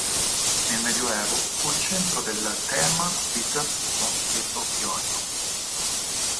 Nel Medioevo fu il centro del "thema" bizantino dello Ionio.